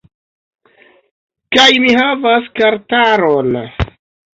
Kaj mi havas kartaron